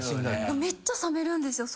めっちゃさめるんですよ